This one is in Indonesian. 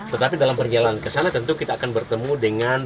tetapi dalam perjalanan ke sana tentu kita akan bertemu dengan